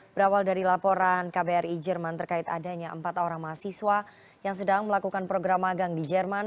berawal dari laporan kbri jerman terkait adanya empat orang mahasiswa yang sedang melakukan program magang di jerman